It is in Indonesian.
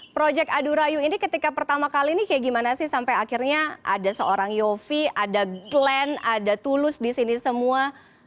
proyek adurayu ini ketika pertama kali ini kayak gimana sih sampai akhirnya ada seorang yofi ada glenn ada tulus di sini semua